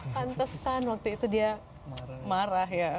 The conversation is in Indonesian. pantesan waktu itu dia marah ya